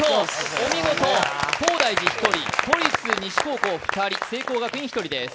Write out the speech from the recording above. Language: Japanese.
お見事、東大寺１人都立西高校２人、聖光学院、１人です。